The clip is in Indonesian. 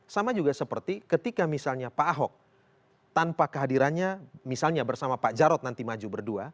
sama juga seperti ketika misalnya pak ahok tanpa kehadirannya misalnya bersama pak jarod nanti maju berdua